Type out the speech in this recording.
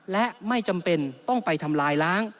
และไม่จำเป็นต้องไปทำลายล้าง